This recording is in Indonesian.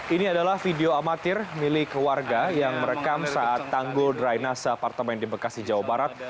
ini adalah video amatir milik warga yang merekam saat tanggul dry nasa apartemen di bekasi jawa barat